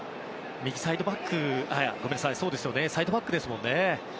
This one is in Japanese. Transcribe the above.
ハキミはサイドバックですもんね。